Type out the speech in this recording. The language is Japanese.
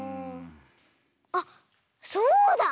あっそうだ！